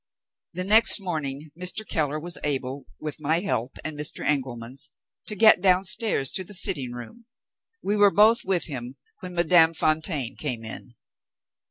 The next morning Mr. Keller was able, with my help and Mr. Engelman's, to get downstairs to the sitting room. We were both with him, when Madame Fontaine came in.